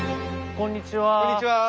こんにちは。